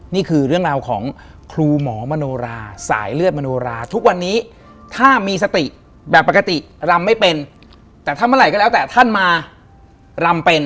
นี่คือเรื่องราวของครูหมอมโนราสายเลือดมโนราทุกวันนี้ถ้ามีสติแบบปกติรำไม่เป็นแต่ถ้าเมื่อไหร่ก็แล้วแต่ท่านมารำเป็น